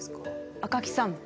赤木さん